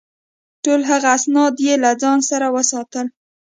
ټول هغه اسناد یې له ځان سره وساتل.